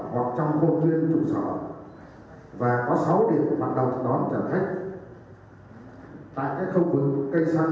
hiện nay trên địa bàn có một trăm linh tám điểm hoạt động đón trả khách trước trụ sở hoặc trong khuôn